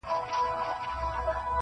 تر پاچا پوري عرض نه سو رسېدلای-